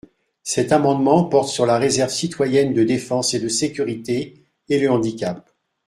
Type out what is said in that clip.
Cet amendement porte sur la réserve citoyenne de défense et de sécurité, et le handicap.